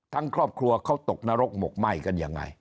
ครอบครัวเขาตกนรกหมกไหม้กันยังไง